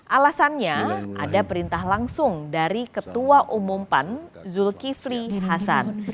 alasannya ada perintah langsung dari ketua umum pan zulkifli hasan